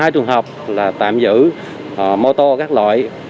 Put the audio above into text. hai trường hợp là tạm giữ mô tô